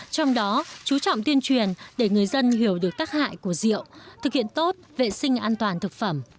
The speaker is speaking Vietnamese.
trong đó chú trọng tuyên truyền để người dân hiểu được tác hại của rượu thực hiện tốt vệ sinh an toàn thực phẩm